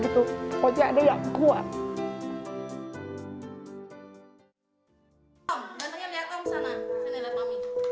pokoknya ada yang kuat